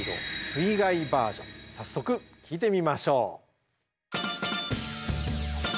早速聴いてみましょう。